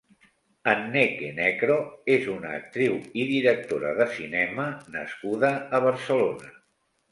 Anneke Necro és una actriu i directora de cinema nascuda a Barcelona.